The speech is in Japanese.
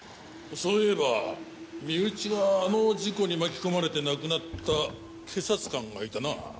そういえば身内があの事故に巻き込まれて亡くなった警察官がいたな。